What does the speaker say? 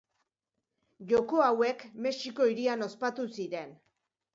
Joko hauek, Mexiko Hirian ospatu ziren.